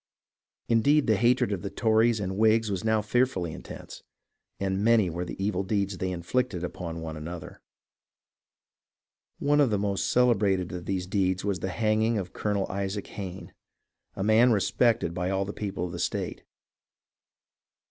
Indeed, the hatred of the Tories and Whigs was now fearfully intense, and many were the evil deeds they inflicted upon one another. One of the most celebrated of these deeds was the hang ing of Colonel Isaac Hayne, a man respected by all the people of the state.